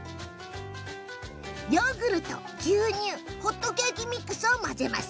ヨーグルト、牛乳ホットケーキミックスを混ぜます。